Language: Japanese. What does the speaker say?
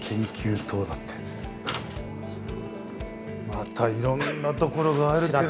またいろんなところがあるけれども。